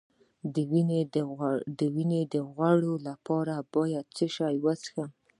د وینې د غوړ لپاره باید څه شی وڅښم؟